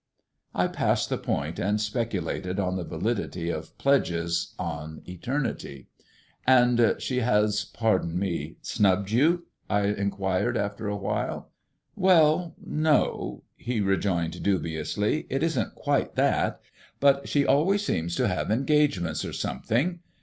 I passed the point, and speculated on the validity of pledges on eternity. "And she has pardon me snubbed you?" I inquired, after a while. "Well, no," he rejoined dubiously, "it isn't quite that; but she always seems to have engagements or something.